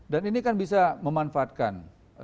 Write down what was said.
dan ini kan bisa memanfaatkan